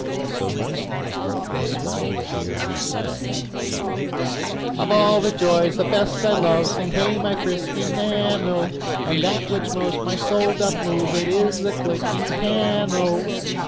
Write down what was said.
So, moistening his throat with a swallow of beer, he sang: "_Of all the joys, the best I love, Sing hey my frisking Nan, O, And that which most my soul doth move, It is the clinking can, O.